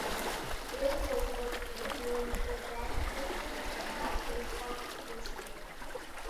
এর পরিবর্তে, নিয়মিত ড্যান ক্যাস্টেলেনেটা সেই কণ্ঠ দিয়েছিলেন।